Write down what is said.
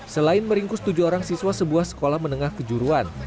selain meringkus tujuh orang siswa sebuah sekolah menengah kejuruan